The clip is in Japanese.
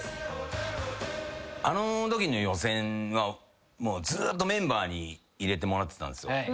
あのときの予選ずっとメンバーに入れてもらってたんですよ。